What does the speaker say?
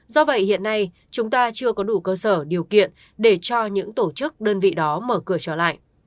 do vậy hiện nay chúng ta chưa có đủ cơ sở điều kiện để cho những tổ chức đơn vị đó mở cửa trở lại